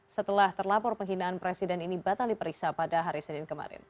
setelah terlapor penghinaan presiden ini batal diperiksa pada hari senin kemarin